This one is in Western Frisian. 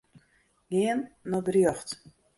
Gean nei berjocht.